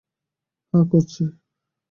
হ্যাঁ, করছি।